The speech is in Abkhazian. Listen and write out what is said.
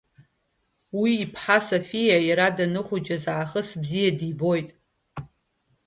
Уи иԥҳа Софиа иара данхәыҷыз аахыс бзиа дибоит.